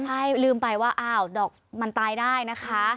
ใช่ลืมไปว่าอ้าวดอกมันตายได้นะคะ